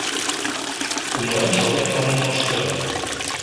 Кумылем шылтен ом мошто